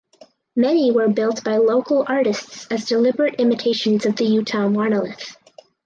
Many were built by local artists as deliberate imitations of the Utah monolith.